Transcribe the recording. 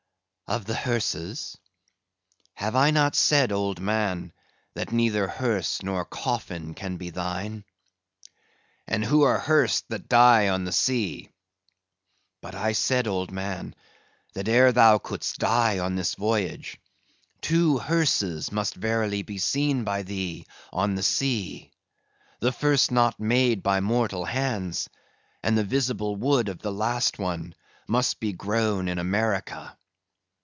"Of the hearses? Have I not said, old man, that neither hearse nor coffin can be thine?" "And who are hearsed that die on the sea?" "But I said, old man, that ere thou couldst die on this voyage, two hearses must verily be seen by thee on the sea; the first not made by mortal hands; and the visible wood of the last one must be grown in America."